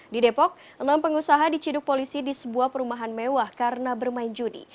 di depok enam pengusaha diciduk polisi di sebuah perumahan mewah karena bermain judi